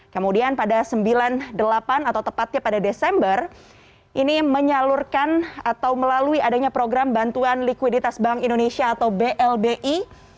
kemudian pada seribu sembilan ratus sembilan puluh delapan atau tepatnya pada desember ini menyalurkan atau melalui adanya program bantuan likuiditas bank indonesia atau blbi